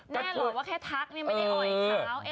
แน่นอนว่าแค่ทักไม่ได้อ่อยเช้า